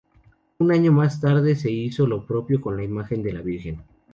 Un año más tarde se hizo lo propio con la imagen de la Virgen.